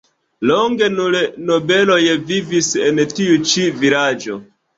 Longe nur nobeloj vivis en tiu ĉi vilaĝo.